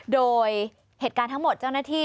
โดยเหตุการณ์ทั้งหมดเจ้าหน้าที่